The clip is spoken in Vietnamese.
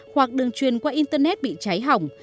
hoặc đường truyền qua internet bị cháy hỏng